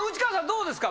どうですか？